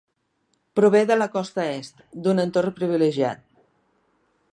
Prové de la costa est, d'un entorn privilegiat.